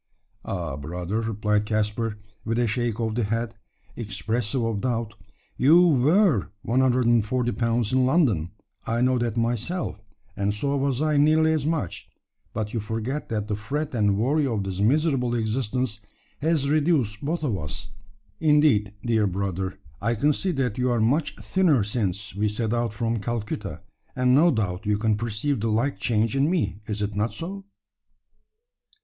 "Ah, brother," replied Caspar, with a shake of the head, expressive of doubt, "you were 140 pounds in London I know that myself and so was I nearly as much; but you forget that the fret and worry of this miserable existence has reduced both of us. Indeed, dear brother, I can see that you are much thinner since we set out from Calcutta; and no doubt you can perceive the like change in me. Is it not so?"